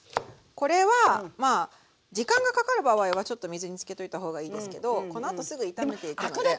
これはまあ時間がかかる場合はちょっと水につけておいた方がいいですけどこのあとすぐ炒めていくので。